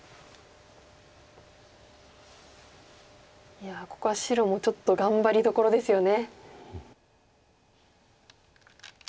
いやここは白もちょっと頑張りどころですよね。